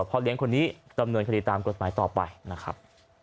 พ่อเลี้ยงคนนี้ดำเนินคดีตามกฎหมายต่อไปนะครับ